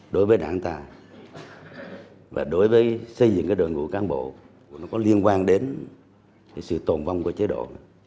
đối với đảng ta và đối với xây dựng cái đội ngũ cán bộ nó có liên quan đến sự tồn vong của chế độ